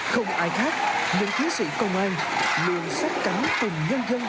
không ai khác những chiến sĩ công an luôn sắp cắn cùng nhân dân vượt qua giai đoạn này